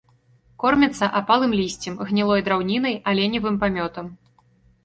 Кормяцца апалым лісцем, гнілой драўнінай, аленевым памётам.